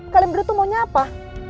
kalian berdua tuh maunya apa